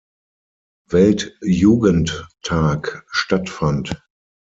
Weltjugendtag stattfand.